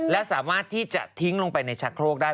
และสามารถที่จะทิ้งลงไปในชะโครกได้